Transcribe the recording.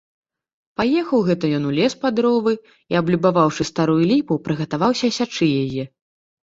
Паехаў гэта ён у лес па дровы і, аблюбаваўшы старую ліпу, прыгатаваўся сячы яе.